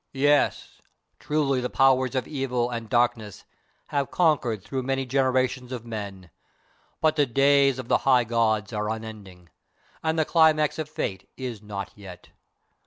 "Yes, truly the Powers of Evil and Darkness have conquered through many generations of men, but the days of the High Gods are unending, and the climax of Fate is not yet.